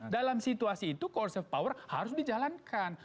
dalam situasi itu coercive power harus dijalankan